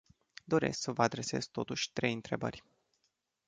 Doresc să vă adresez, totuși, trei întrebări.